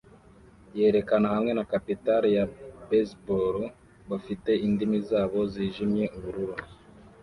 yakera hamwe na capitale ya baseball bafite indimi zabo zijimye ubururu